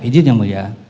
ini dia mulia